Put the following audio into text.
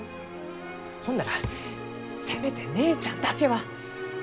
ほんならせめて姉ちゃんだけは。